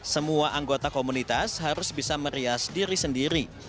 semua anggota komunitas harus bisa merias diri sendiri